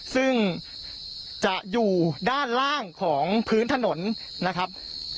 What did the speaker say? ซึ่งจะอยู่ด้านล่างของพื้นถนนนะครับ